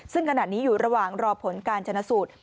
ซึ่งขณะนี้อยู่ระหว่างรอผลการชนะสูตร